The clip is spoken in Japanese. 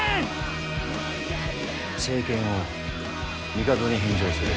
政権を帝に返上する。